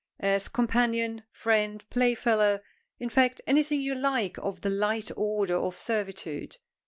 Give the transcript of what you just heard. As companion, friend, playfellow, in fact anything you like of the light order of servitude.